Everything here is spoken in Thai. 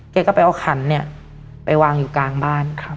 แกก็ไปเอาขันเนี่ยไปวางอยู่กลางบ้าน